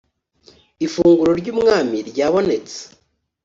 ifunguro ry’umwami ryabonetse